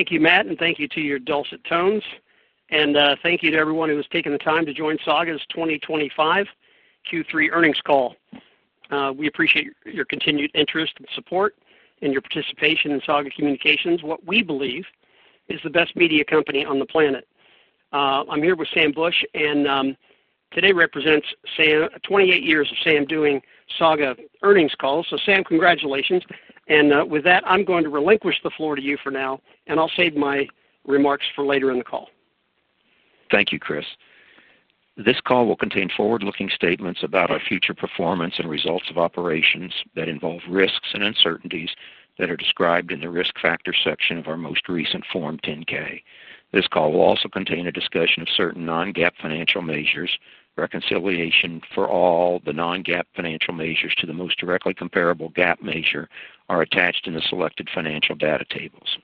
Thank you, Matt, and thank you to your dulcet tones. Thank you to everyone who has taken the time to join Saga's 2025 Q3 Earnings Call. We appreciate your continued interest and support and your participation in Saga Communications, what we believe is the best media company on the planet. I'm here with Sam Bush, and today represents Sam, 28 years of Sam doing Saga earnings calls. Sam, congratulations. With that, I'm going to relinquish the floor to you for now, and I'll save my remarks for later in the call. Thank you, Chris. This call will contain forward-looking statements about our future performance and results of operations that involve risks and uncertainties that are described in the risk factor section of our most recent Form 10-K. This call will also contain a discussion of certain non-GAAP financial measures. Reconciliation for all the non-GAAP financial measures to the most directly comparable GAAP measure are attached in the selected financial data tables.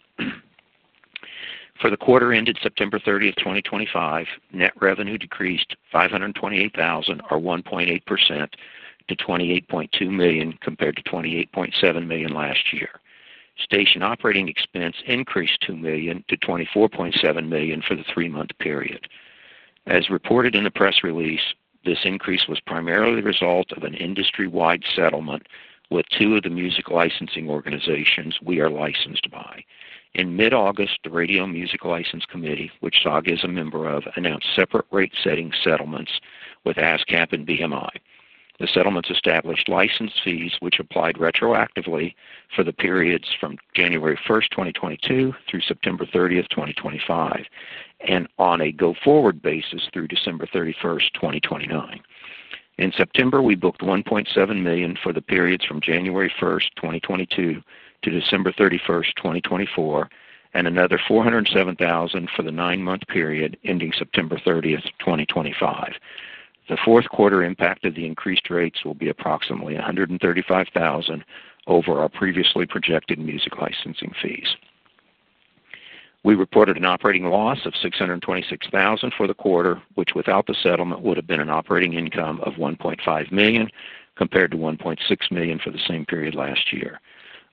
For the quarter ended September 30, 2025, net revenue decreased $528,000, or 1.8%, to $28.2 million compared to $28.7 million last year. Station operating expense increased $2 million to $24.7 million for the three-month period. As reported in the press release, this increase was primarily the result of an industry-wide settlement with two of the music licensing organizations we are licensed by. In mid-August, the Radio Music License Committee, which Saga is a member of, announced separate rate-setting settlements with ASCAP and BMI. The settlements established license fees, which applied retroactively for the periods from January 1, 2022, through September 30, 2025. On a go-forward basis through December 31, 2029. In September, we booked $1.7 million for the periods from January 1, 2022, to December 31, 2024, and another $407,000 for the nine-month period ending September 30, 2025. The fourth quarter impact of the increased rates will be approximately $135,000 over our previously projected music licensing fees. We reported an operating loss of $626,000 for the quarter, which without the settlement would have been an operating income of $1.5 million compared to $1.6 million for the same period last year.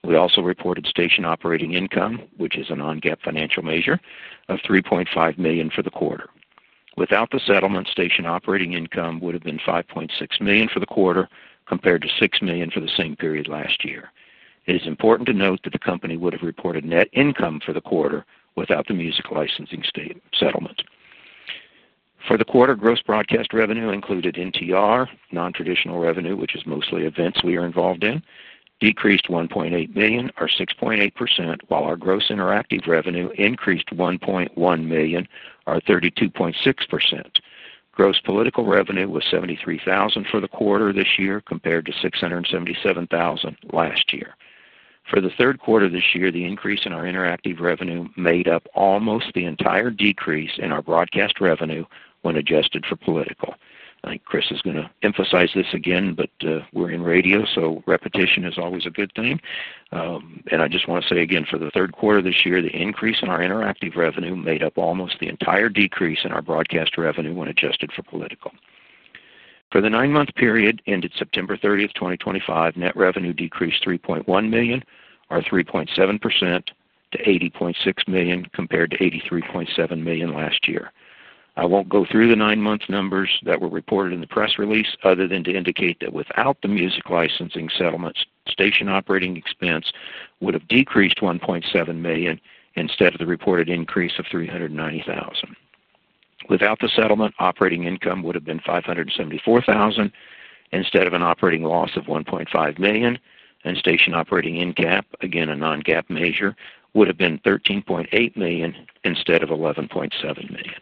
We also reported station operating income, which is a non-GAAP financial measure, of $3.5 million for the quarter. Without the settlement, station operating income would have been $5.6 million for the quarter compared to $6 million for the same period last year. It is important to note that the company would have reported net income for the quarter without the music licensing state settlement. For the quarter, gross broadcast revenue included NTR, non-traditional revenue, which is mostly events we are involved in, decreased $1.8 million, or 6.8%, while our gross interactive revenue increased $1.1 million, or 32.6%. Gross political revenue was $73,000 for the quarter this year compared to $677,000 last year. For the third quarter this year, the increase in our interactive revenue made up almost the entire decrease in our broadcast revenue when adjusted for political. I think Chris is gonna emphasize this again, but, we're in radio, so repetition is always a good thing. I just wanna say again, for the third quarter this year, the increase in our interactive revenue made up almost the entire decrease in our broadcast revenue when adjusted for political. For the nine-month period ended September 30, 2025, net revenue decreased $3.1 million, or 3.7%, to $80.6 million compared to $83.7 million last year. I won't go through the nine-month numbers that were reported in the press release other than to indicate that without the music licensing settlements, station operating expense would have decreased $1.7 million instead of the reported increase of $390,000. Without the settlement, operating income would have been $574,000 instead of an operating loss of $1.5 million, and station operating in GAAP, again a non-GAAP measure, would have been $13.8 million instead of $11.7 million.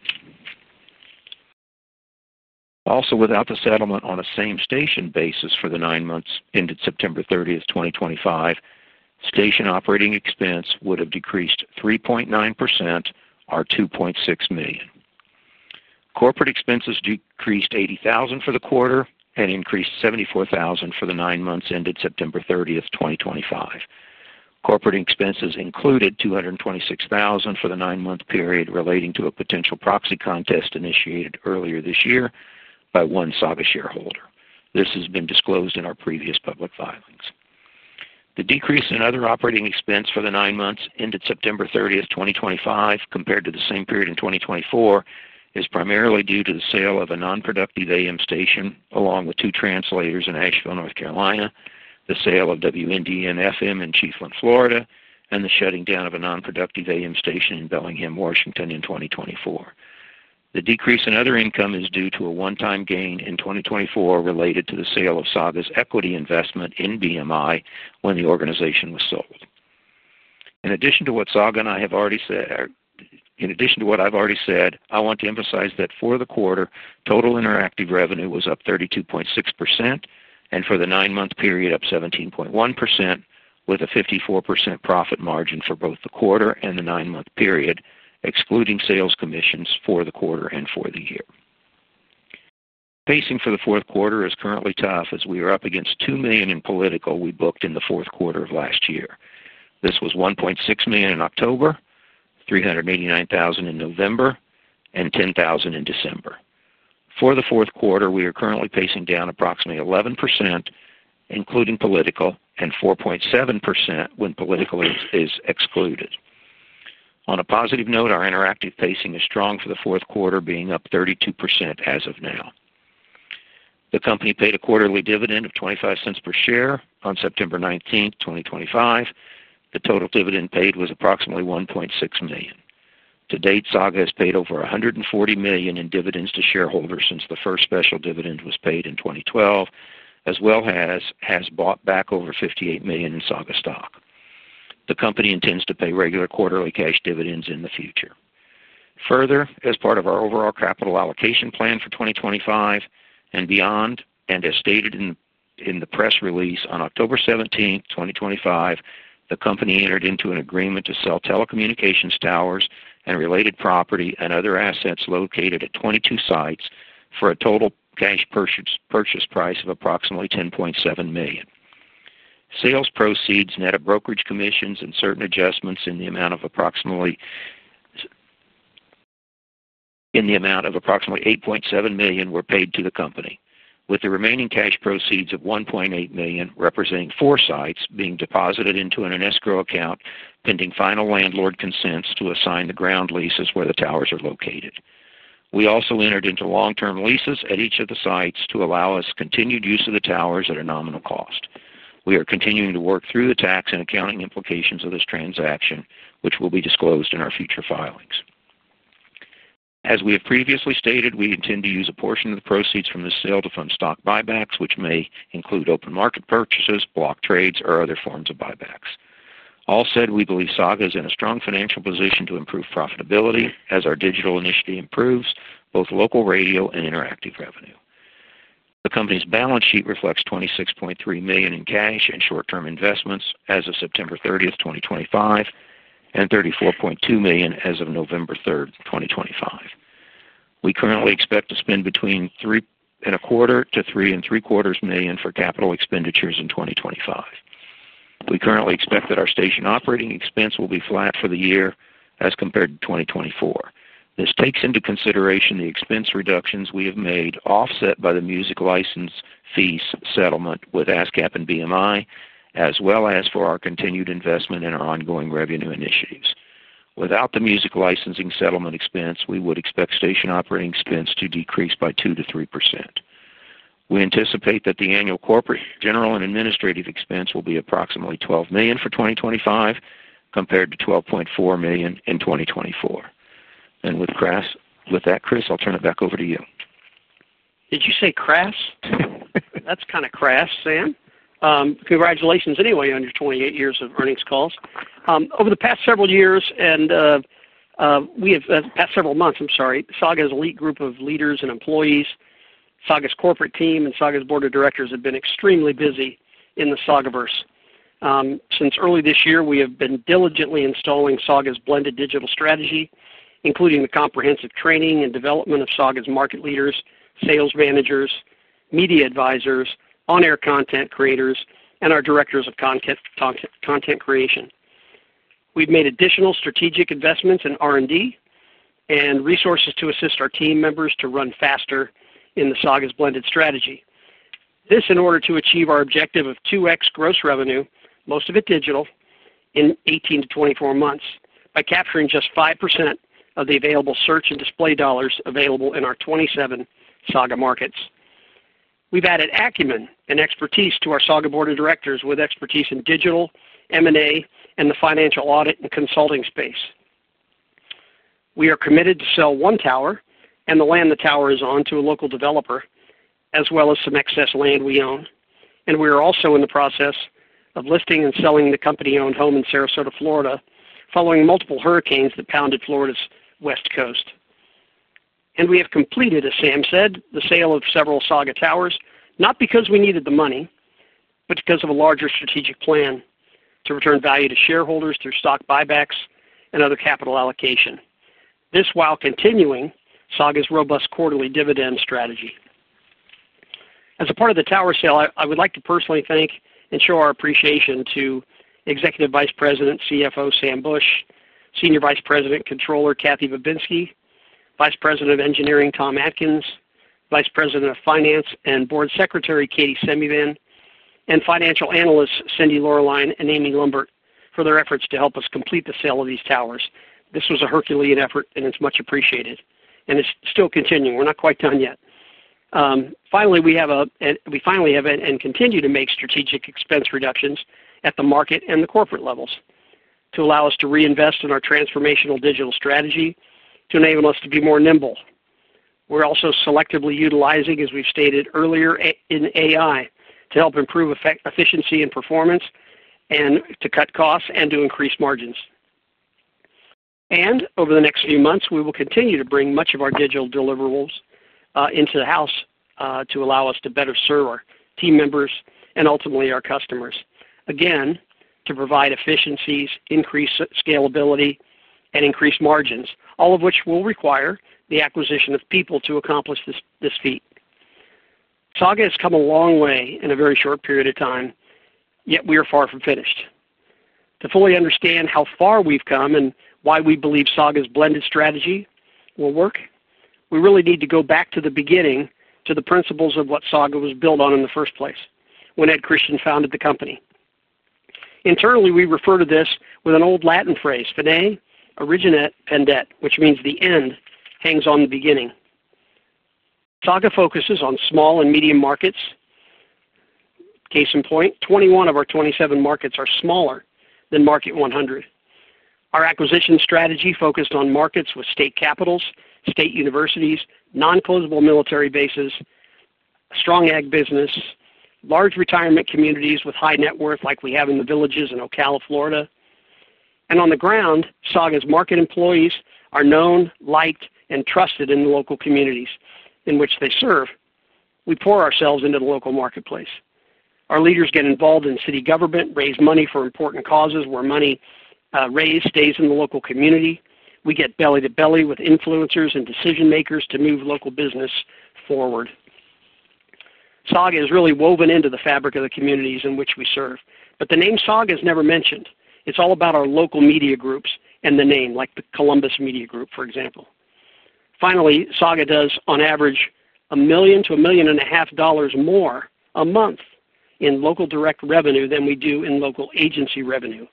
Also, without the settlement on a same station basis for the nine months ended September 30, 2025. Station operating expense would have decreased 3.9%, or $2.6 million. Corporate expenses decreased $80,000 for the quarter and increased $74,000 for the nine months ended September 30, 2025. Corporate expenses included $226,000 for the nine-month period relating to a potential proxy contest initiated earlier this year by one Saga shareholder. This has been disclosed in our previous public filings. The decrease in other operating expense for the nine months ended September 30, 2025, compared to the same period in 2024, is primarily due to the sale of a non-productive AM station along with two translators in Asheville, North Carolina, the sale of WNDN FM in Chiefland, Florida, and the shutting down of a non-productive AM station in Bellingham, Washington, in 2024. The decrease in other income is due to a one-time gain in 2024 related to the sale of Saga's equity investment in BMI when the organization was sold. In addition to what Saga and I have already said, in addition to what I've already said, I want to emphasize that for the quarter, total interactive revenue was up 32.6%, and for the nine-month period, up 17.1%, with a 54% profit margin for both the quarter and the nine-month period, excluding sales commissions for the quarter and for the year. Pacing for the fourth quarter is currently tough as we are up against $2 million in political we booked in the fourth quarter of last year. This was $1.6 million in October, $389,000 in November, and $10,000 in December. For the fourth quarter, we are currently pacing down approximately 11%, including political, and 4.7% when political is excluded. On a positive note, our interactive pacing is strong for the fourth quarter, being up 32% as of now. The company paid a quarterly dividend of $0.25 per share on September 19th, 2025. The total dividend paid was approximately $1.6 million. To date, Saga has paid over $140 million in dividends to shareholders since the first special dividend was paid in 2012, as well as has bought back over $58 million in Saga stock. The company intends to pay regular quarterly cash dividends in the future. Further, as part of our overall capital allocation plan for 2025 and beyond, and as stated in the press release on October 17th, 2025, the company entered into an agreement to sell telecommunications towers and related property and other assets located at 22 sites for a total cash purchase price of approximately $10.7 million. Sales proceeds, net of brokerage commissions, and certain adjustments in the amount of approximately. In the amount of approximately $8.7 million were paid to the company, with the remaining cash proceeds of $1.8 million representing four sites being deposited into an escrow account pending final landlord consents to assign the ground leases where the towers are located. We also entered into long-term leases at each of the sites to allow us continued use of the towers at a nominal cost. We are continuing to work through the tax and accounting implications of this transaction, which will be disclosed in our future filings. As we have previously stated, we intend to use a portion of the proceeds from this sale to fund stock buybacks, which may include open market purchases, block trades, or other forms of buybacks. All said, we believe Saga is in a strong financial position to improve profitability as our digital initiative improves both local radio and interactive revenue. The company's balance sheet reflects $26.3 million in cash and short-term investments as of September 30, 2025. $34.2 million as of November 3, 2025. We currently expect to spend between $3.25 million to $3.75 million for capital expenditures in 2025. We currently expect that our station operating expense will be flat for the year as compared to 2024. This takes into consideration the expense reductions we have made offset by the music license fees settlement with ASCAP and BMI, as well as for our continued investment in our ongoing revenue initiatives. Without the music licensing settlement expense, we would expect station operating expense to decrease by 2% to 3%. We anticipate that the annual corporate general and administrative expense will be approximately $12 million for 2025 compared to $12.4 million in 2024. With that, Chris, I'll turn it back over to you. Did you say CRAS? That's kinda crass, Sam. Congratulations anyway on your 28 years of earnings calls. Over the past several years and, we have, past several months, I'm sorry, Saga's elite group of leaders and employees, Saga's corporate team, and Saga's board of directors have been extremely busy in the Saga verse. Since early this year, we have been diligently installing Saga's blended digital strategy, including the comprehensive training and development of Saga's market leaders, sales managers, media advisors, on-air content creators, and our directors of content content creation. We've made additional strategic investments in R&D and resources to assist our team members to run faster in the Saga's blended strategy. This in order to achieve our objective of 2X gross revenue, most of it digital, in 18 to 24 months by capturing just 5% of the available search and display dollars available in our 27 Saga markets. We've added acumen and expertise to our Saga board of directors with expertise in digital, M&A, and the financial audit and consulting space. We are committed to sell one tower and the land the tower is on to a local developer, as well as some excess land we own. We are also in the process of listing and selling the company-owned home in Sarasota, Florida, following multiple hurricanes that pounded Florida's west coast. We have completed, as Sam said, the sale of several Saga towers, not because we needed the money, but because of a larger strategic plan to return value to shareholders through stock buybacks and other capital allocation, this while continuing Saga's robust quarterly dividend strategy. As a part of the tower sale, I would like to personally thank and show our appreciation to Executive Vice President, CFO Sam Bush, Senior Vice President Controller Kathy Babinski, Vice President of Engineering Tom Atkins, Vice President of Finance and Board Secretary Katie Semivan, and Financial Analysts Cynthia Loerlein and Amy Lundberg for their efforts to help us complete the sale of these towers. This was a Herculean effort, and it's much appreciated, and it's still continuing. We're not quite done yet. Finally, we have a, and we finally have a, and continue to make strategic expense reductions at the market and the corporate levels to allow us to reinvest in our transformational digital strategy to enable us to be more nimble. We're also selectively utilizing, as we've stated earlier, AI to help improve efficiency and performance and to cut costs and to increase margins. Over the next few months, we will continue to bring much of our digital deliverables into the house to allow us to better serve our team members and ultimately our customers, again, to provide efficiencies, increase scalability, and increase margins, all of which will require the acquisition of people to accomplish this feat. Saga has come a long way in a very short period of time, yet we are far from finished. To fully understand how far we have come and why we believe Saga's blended strategy will work, we really need to go back to the beginning, to the principles of what Saga was built on in the first place when Ed Christian founded the company. Internally, we refer to this with an old Latin phrase, fine origin et pendet, which means the end hangs on the beginning. Saga focuses on small and medium markets. Case in point, 21 of our 27 markets are smaller than market 100. Our acquisition strategy focused on markets with state capitals, state universities, non-closable military bases, strong AG business, large retirement communities with high net worth like we have in The Villages in Ocala, Florida. On the ground, Saga's market employees are known, liked, and trusted in the local communities in which they serve. We pour ourselves into the local marketplace. Our leaders get involved in city government, raise money for important causes where money raised stays in the local community. We get belly to belly with influencers and decision makers to move local business forward. Saga is really woven into the fabric of the communities in which we serve. The name Saga is never mentioned. It is all about our local media groups and the name, like the Columbus Media Group, for example. Finally, Saga does, on average, $1 million to $1.5 million more a month in local direct revenue than we do in local agency revenue.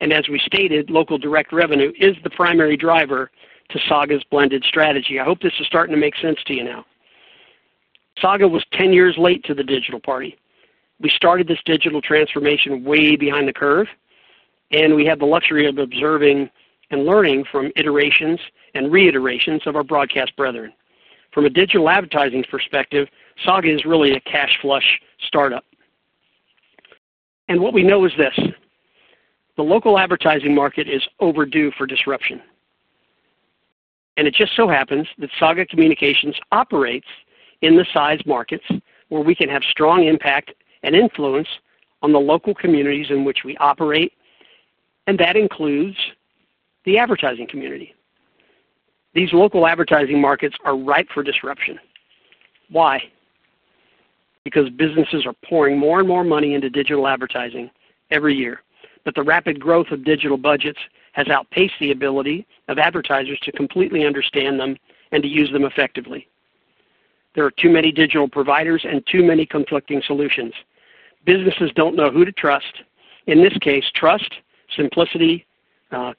As we stated, local direct revenue is the primary driver to Saga's blended strategy. I hope this is starting to make sense to you now. Saga was 10 years late to the digital party. We started this digital transformation way behind the curve, and we had the luxury of observing and learning from iterations and reiterations of our broadcast brethren. From a digital advertising perspective, Saga is really a cash flush startup. What we know is this. The local advertising market is overdue for disruption. It just so happens that Saga Communications operates in the size markets where we can have strong impact and influence on the local communities in which we operate. That includes the advertising community. These local advertising markets are ripe for disruption. Why? Because businesses are pouring more and more money into digital advertising every year. The rapid growth of digital budgets has outpaced the ability of advertisers to completely understand them and to use them effectively. There are too many digital providers and too many conflicting solutions. Businesses do not know who to trust. In this case, trust, simplicity,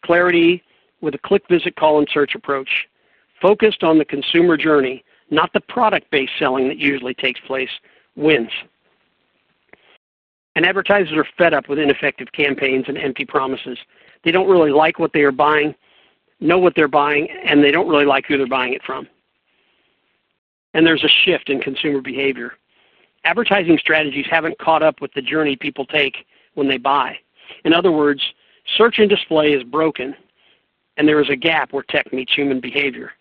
clarity with a quick visit call and search approach focused on the consumer journey, not the product-based selling that usually takes place wins. Advertisers are fed up with ineffective campaigns and empty promises. They do not really like what they are buying, know what they are buying, and they do not really like who they are buying it from. There is a shift in consumer behavior. Advertising strategies have not caught up with the journey people take when they buy. In other words, search and display is broken, and there is a gap where tech meets human behavior.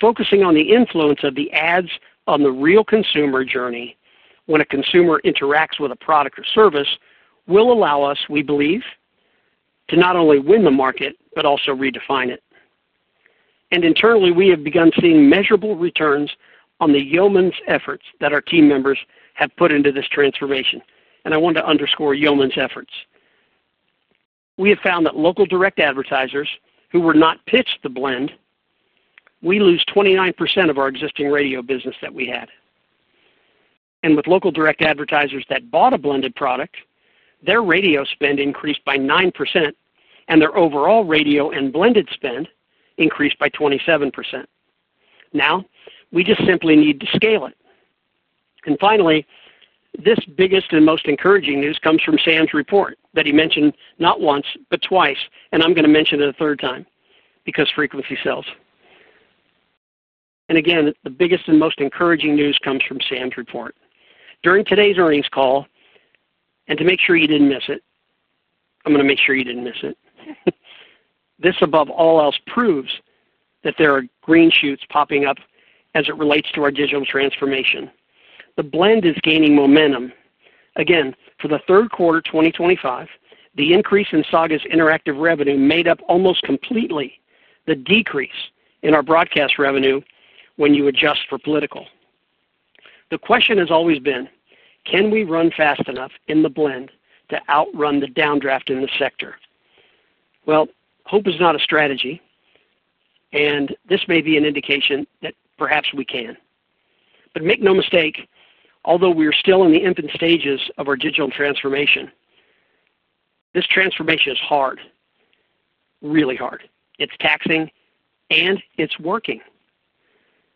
Focusing on the influence of the ads on the real consumer journey when a consumer interacts with a product or service will allow us, we believe, to not only win the market but also redefine it. Internally, we have begun seeing measurable returns on the yeoman's efforts that our team members have put into this transformation. I want to underscore yeoman's efforts. We have found that local direct advertisers who were not pitched the blend, we lose 29% of our existing radio business that we had. With local direct advertisers that bought a blended product, their radio spend increased by 9%, and their overall radio and blended spend increased by 27%. Now, we just simply need to scale it. Finally, this biggest and most encouraging news comes from Sam's report that he mentioned not once but twice, and I'm gonna mention it a third time because frequency sells. Again, the biggest and most encouraging news comes from Sam's report during today's earnings call. To make sure you didn't miss it, I'm gonna make sure you didn't miss it. This, above all else, proves that there are green shoots popping up as it relates to our digital transformation. The blend is gaining momentum. Again, for the third quarter 2025, the increase in Saga's interactive revenue made up almost completely the decrease in our broadcast revenue when you adjust for political. The question has always been, can we run fast enough in the blend to outrun the downdraft in the sector? Hope is not a strategy, and this may be an indication that perhaps we can. Make no mistake, although we are still in the infant stages of our digital transformation. This transformation is hard, really hard. It's taxing, and it's working.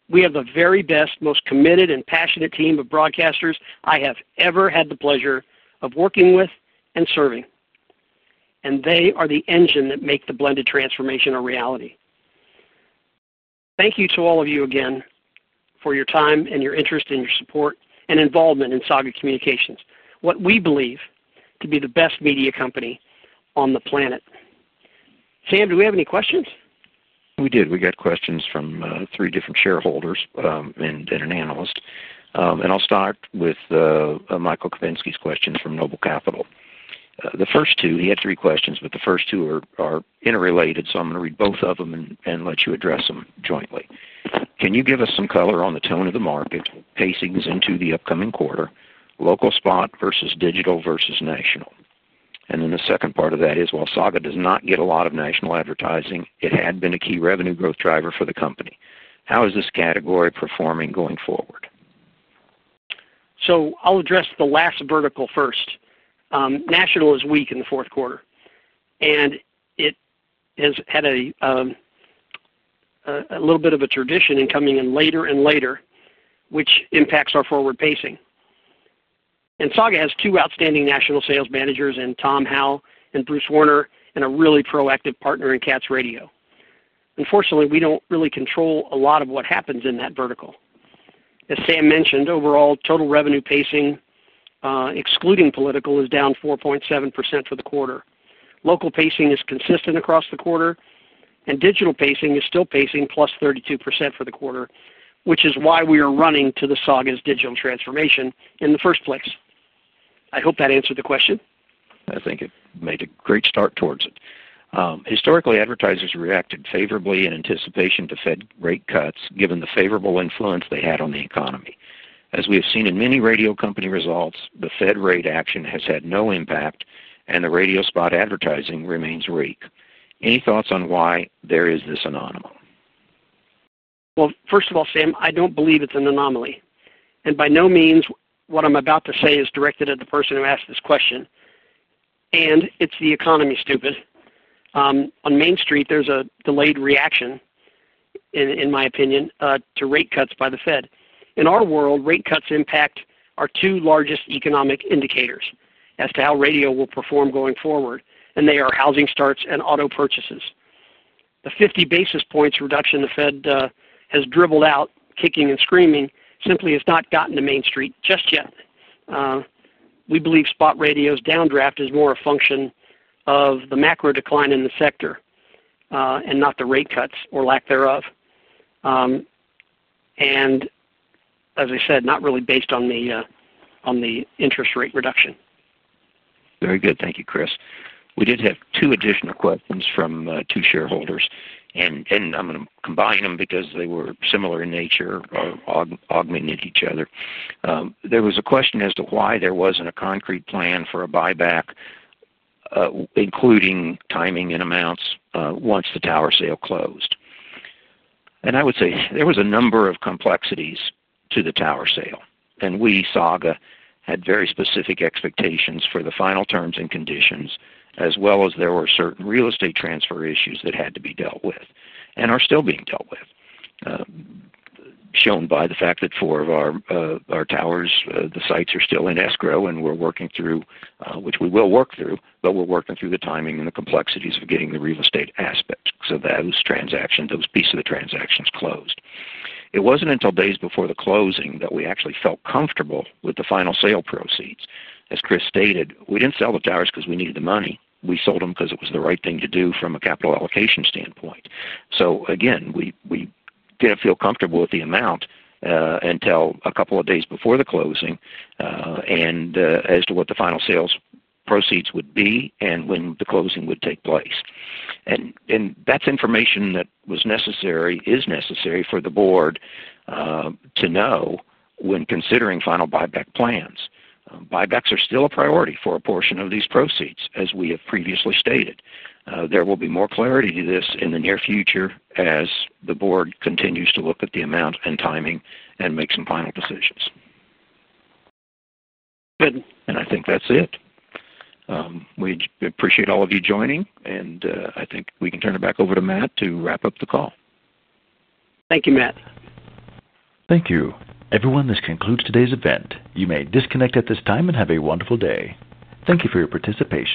We have the very best, most committed, and passionate team of broadcasters I have ever had the pleasure of working with and serving. They are the engine that makes the blended transformation a reality. Thank you to all of you again for your time and your interest and your support and involvement in Saga Communications, what we believe to be the best media company on the planet. Sam, do we have any questions? We did. We got questions from three different shareholders, and an analyst. I'll start with Michael Kaminski's questions from Noble Capital. The first two, he had three questions, but the first two are interrelated, so I'm gonna read both of them and let you address them jointly. Can you give us some color on the tone of the market, pacings into the upcoming quarter, local spot versus digital versus national? The second part of that is, while Saga does not get a lot of national advertising, it had been a key revenue growth driver for the company. How is this category performing going forward? I'll address the last vertical first. National is weak in the fourth quarter, and it has had a little bit of a tradition in coming in later and later, which impacts our forward pacing. Saga has two outstanding national sales managers in Tom Howell and Bruce Warner and a really proactive partner in Katz Radio. Unfortunately, we do not really control a lot of what happens in that vertical. As Sam mentioned, overall total revenue pacing, excluding political, is down 4.7% for the quarter. Local pacing is consistent across the quarter, and digital pacing is still pacing plus 32% for the quarter, which is why we are running to Saga's digital transformation in the first place. I hope that answered the question. I think it made a great start towards it. Historically, advertisers reacted favorably in anticipation to Fed rate cuts given the favorable influence they had on the economy. As we have seen in many radio company results, the Fed rate action has had no impact, and the radio spot advertising remains weak. Any thoughts on why there is this anomaly? First of all, Sam, I don't believe it's an anomaly. By no means, what I'm about to say is directed at the person who asked this question. It's the economy, stupid. On Main Street, there's a delayed reaction. In my opinion, to rate cuts by the Fed. In our world, rate cuts impact our two largest economic indicators as to how radio will perform going forward, and they are housing starts and auto purchases. The 50 basis points reduction the Fed has dribbled out, kicking and screaming, simply has not gotten to Main Street just yet. We believe spot radio's downdraft is more a function of the macro decline in the sector and not the rate cuts or lack thereof. As I said, not really based on the interest rate reduction. Very good. Thank you, Chris. We did have two additional questions from two shareholders. I'm gonna combine them because they were similar in nature, augmented each other. There was a question as to why there wasn't a concrete plan for a buyback, including timing and amounts, once the tower sale closed. I would say there was a number of complexities to the tower sale, and we, Saga, had very specific expectations for the final terms and conditions, as well as there were certain real estate transfer issues that had to be dealt with and are still being dealt with, shown by the fact that four of our towers, the sites are still in escrow, and we're working through, which we will work through, but we're working through the timing and the complexities of getting the real estate aspect so that those transactions, those pieces of the transactions closed. It wasn't until days before the closing that we actually felt comfortable with the final sale proceeds. As Chris stated, we didn't sell the towers 'cause we needed the money. We sold them 'cause it was the right thing to do from a capital allocation standpoint. We did not feel comfortable with the amount until a couple of days before the closing, as to what the final sales proceeds would be and when the closing would take place. That is information that was necessary, is necessary for the board to know when considering final buyback plans. Buybacks are still a priority for a portion of these proceeds, as we have previously stated. There will be more clarity to this in the near future as the board continues to look at the amount and timing and make some final decisions. Good.I think that's it. We appreciate all of you joining, and I think we can turn it back over to Matt to wrap up the call. Thank you, Matt. Thank you. Everyone, this concludes today's event. You may disconnect at this time and have a wonderful day. Thank you for your participation.